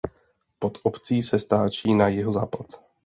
Pod obcí se stáčí na jihozápad.